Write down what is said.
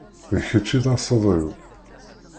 D kečč i d asaḍ-iw.